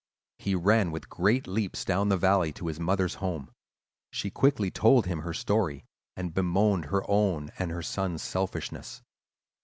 He ran with great leaps down the valley to his mother's home. She quickly told him her story, and bemoaned her own and her son's selfishness.